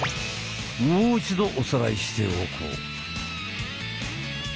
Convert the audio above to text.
もう一度おさらいしておこう。